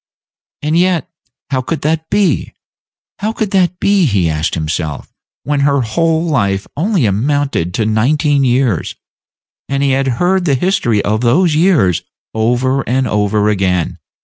And yet, how could that be? How could that be, he asked himself, when her whole life only amounted to nineteen years, and he had heard the history of those years over and over again?